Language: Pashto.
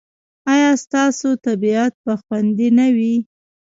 ایا ستاسو طبیعت به خوندي نه وي؟